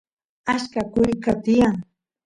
acha kuyqa tiyan